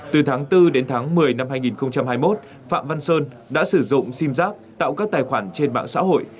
từ tháng bốn đến tháng một mươi năm hai nghìn hai mươi một phạm văn sơn đã sử dụng sim giác tạo các tài khoản trên mạng xã hội